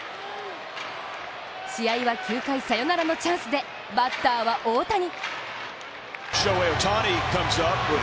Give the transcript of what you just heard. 試合は９回サヨナラのチャンスで、バッターは大谷。